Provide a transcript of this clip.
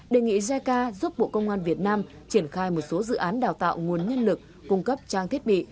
đề nghị jica giúp bộ công an việt nam triển khai một số dự án đào tạo nguồn nhân lực cung cấp trang thiết bị